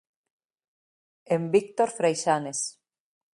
En Víctor Freixanes.